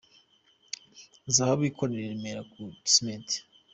Zahabu akorera i Remera ku Gisimenti.